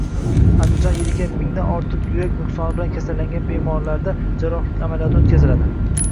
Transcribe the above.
Andijonda yiliga mingdan ortiq yurak nuqsoni bilan kasallangan bemorlarda jarrohlik amaliyoti o‘tkaziladi